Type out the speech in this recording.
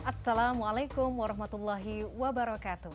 assalamualaikum warahmatullahi wabarakatuh